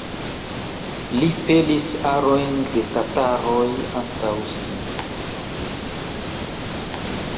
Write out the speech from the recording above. Li pelis arojn da tataroj antaŭ si.